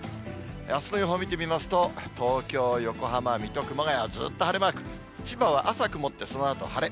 あすの予報を見てみますと、東京、横浜、水戸、熊谷、ずっと晴れマーク。千葉は朝曇って、そのあと晴れ。